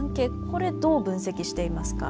これどう分析していますか？